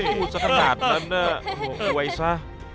พูดสักขนาดนั้นน่ะ